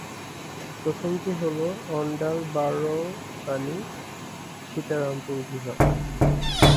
প্রথমটি হল অণ্ডাল-বারবানী-সীতারামপুর বিভাগ।